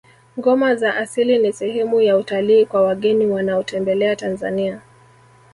ngoma za asili ni sehemu ya utalii kwa wageni wanaotembelea tanzania